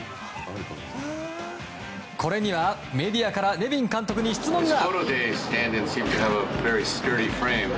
これにはメディアからネビン監督に質問が。